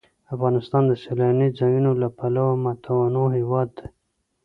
افغانستان د سیلاني ځایونو له پلوه متنوع هېواد دی.